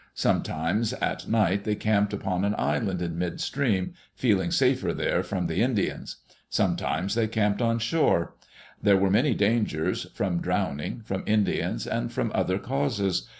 Sometimes at night they camped upon an island in mid stream, feeling safer there from the Indians; sometimes they camped on shore. There were many dangers, from drowning, from Indians, and from other causes.